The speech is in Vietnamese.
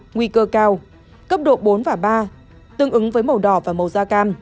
nguy cơ cao cấp độ bốn và ba tương ứng với màu đỏ